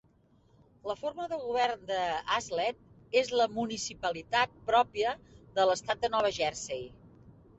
La forma de govern de Hazlet és la municipalitat pròpia de l'estat de Nova Jersey.